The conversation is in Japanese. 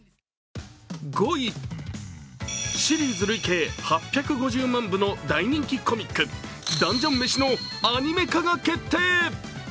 ５位、シリーズ累計８５０万部の大人気コミック「ダンジョン飯」のアニメ化が決定。